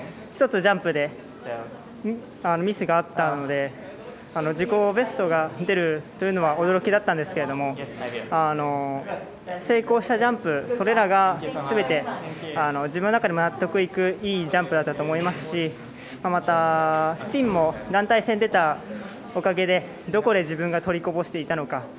団体戦と比べると一つジャンプでミスがあったので、自己ベストが出るというのは驚きだったんですけれども、成功したジャンプ、それらがすべて自分の中でも納得のいく、いいジャンプだったと思いますし、スピンも団体戦で出たおかげでどこで自分が取りこぼしていたのか。